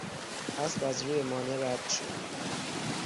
اسب از روی مانع رد شد.